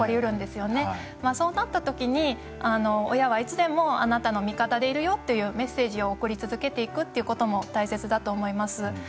そうなったときに、親はいつでもあなたの味方でいるよというメッセージを送り続けていくということも大切だと思います。